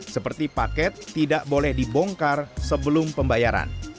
seperti paket tidak boleh dibongkar sebelum pembayaran